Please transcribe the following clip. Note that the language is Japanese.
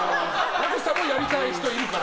矢口さんもやりたい人いるから。